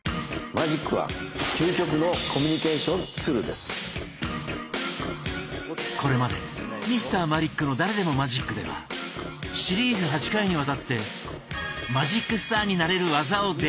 マジックはこれまで「Ｍｒ．マリックの誰でもマジック」ではシリーズ８回にわたってマジックスターになれる技を伝授してきました。